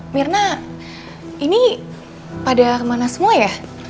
mirna ini pada kemana semua ya